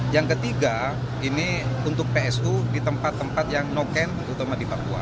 yang ketiga ini untuk psu di tempat tempat yang noken utama di papua